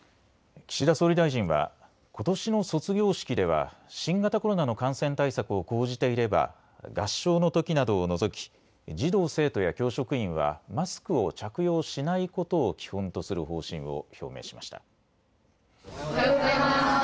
岸田総理大臣はことしの卒業式では新型コロナの感染対策を講じていれば合唱のときなどを除き児童・生徒や教職員はマスクを着用しないことを基本とする方針を表明しました。